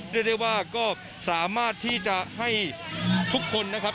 เรียกได้ว่าก็สามารถที่จะให้ทุกคนนะครับ